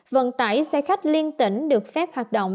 vận tải xe khách liên tỉnh được phép hoạt động